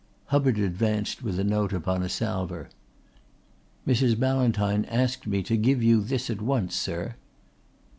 Hubbard advanced with a note upon a salver. "Mrs. Ballantyne asked me to give you this at once, sir."